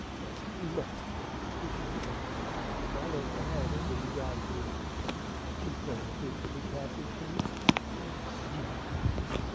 Well, if you must go, good evenin'! Give my love to Hanner when you write ag'in: dew call frequently, Captain Canoot, dew.